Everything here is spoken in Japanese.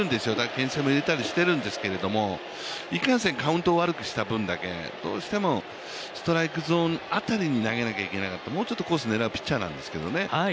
牽制も入れたりしてるんですけどいかんせんカウントを悪くした分、どうしてもストライクゾーンあたりに投げないといけないのでもうちょっとコースを狙うピッチャーなんですけどね。